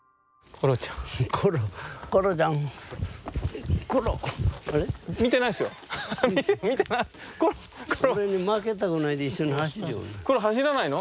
コロ走らないの？